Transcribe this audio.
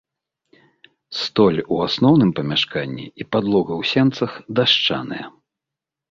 Столь у асноўным памяшканні і падлога ў сенцах дашчаныя.